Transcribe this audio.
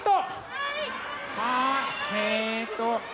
あっえっと。